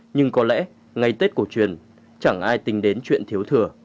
nhưng có lẽ ngày tết cổ truyền chẳng ai tính đến chuyện thiếu thừa